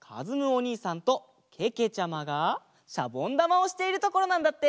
おにいさんとけけちゃまがシャボンだまをしているところなんだって！